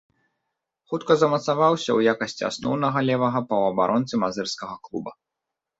Хутка замацаваўся ў якасці асноўнага левага паўабаронцы мазырскага клуба.